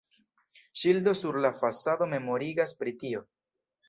Ŝildo sur la fasado memorigas pri tio.